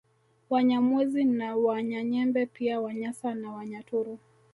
Wanyamwezi na Wanyanyembe pia Wanyasa na Wanyaturu